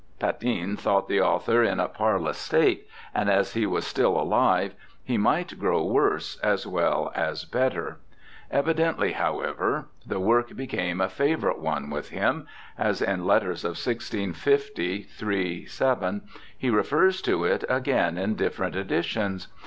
Patin thought the author in a parlous state, and as he was still alive he might grow worse as well as better. Evidently, however, the work became a favourite one with him. SIR THOMAS BROWNE 263 as in letters of 1650 3 7 he refers to it again in different editions.